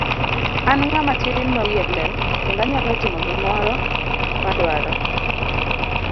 An ng'ama tin ma wiye ler kendo anyalo timo gimoro ma adwaro.